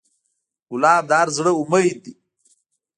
ګلاب د هر زړه امید ده.